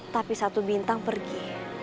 tapi satu bintang pergi